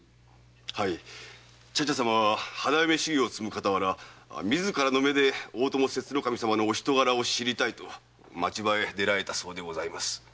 はい茶々様は花嫁修業を積むかたわら自らの目で大友摂津守様の人柄を知りたいと町場へ出られたそうでございます。